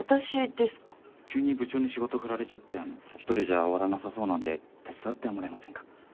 急に部長に仕事振られちゃって１人じゃ終わらなさそうなので手伝ってもらえませんか？